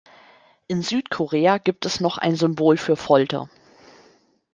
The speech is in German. In Südkorea gibt es noch ein Symbol für Folter.